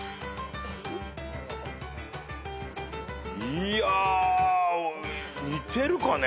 いや似てるかね？